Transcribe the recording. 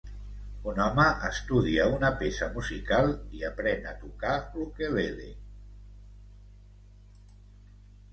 Un home estudia una peça musical i aprèn a tocar l'ukulele.